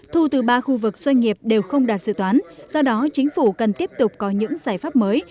thu từ ba khu vực doanh nghiệp đều không đạt dự toán do đó chính phủ cần tiếp tục có những giải pháp mới